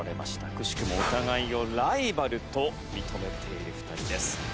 くしくもお互いをライバルと認めている２人です。